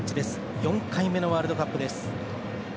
４回目のワールドカップです。